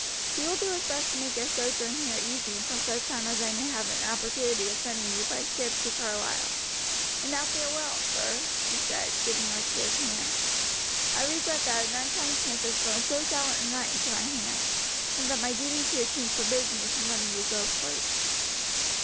He will do his best to make your sojourn here easy until such time as I may have an opportunity of sending you by ship to Carlisle; and now farewell, sir," he said, giving Archie his hand, "I regret that an unkind chance has thrown so gallant a knight into my hands, and that my duty to the king forbids me from letting you go free."